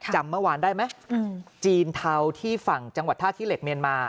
จำเมื่อวานได้ไหมจีนเทาที่ฝั่งจังหวัดท่าขี้เหล็กเมียนมา